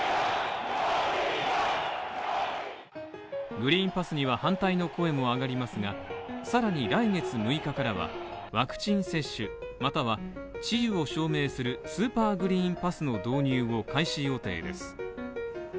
グリーンパスには反対の声も上がりますがさらに来月６日からはワクチン接種または治癒を証明するスーパーグリーンパスの導入を開始予定です。